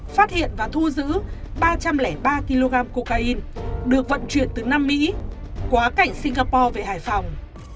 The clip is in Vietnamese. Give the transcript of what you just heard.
phát hiện và thu giữ ba trăm linh ba kg cocaine được vận chuyển từ nam mỹ quá cảnh singapore về hải phòng